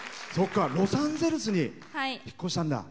ロサンゼルスに引っ越したんだ。